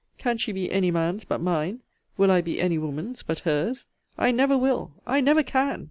Can she be any man's but mine? Will I be any woman's but her's? I never will! I never can!